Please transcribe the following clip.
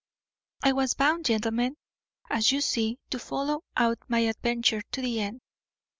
I was bound, gentlemen, as you see, to follow out my adventure to the end.